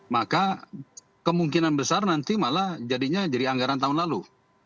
maka kemungkinan besar nanti malah jadinya jadi anggaran tahun lalu